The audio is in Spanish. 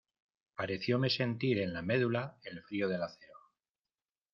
parecióme sentir en la medula el frío del acero: